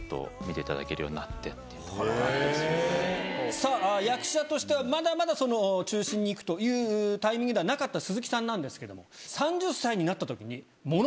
さぁ役者としてはまだまだその中心にいくというタイミングではなかった鈴木さんなんですけども３０歳になったときにもの